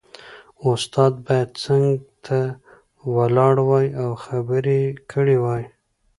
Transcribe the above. استاد باید څنګ ته ولاړ وای او خبرې یې کړې وای